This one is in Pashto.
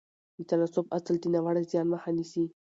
د تناسب اصل د ناوړه زیان مخه نیسي.